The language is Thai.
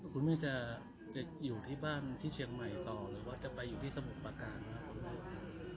คุณมี๊จะอยู่ที่บ้านที่เชียงใหม่ต่อหรือจะไปอยู่ที่สมุกปากาศ